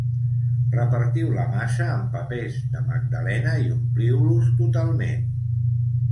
Repartiu la massa en papers de magdalena i ompliu-los totalment.